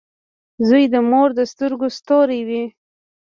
• زوی د مور د سترګو ستوری وي.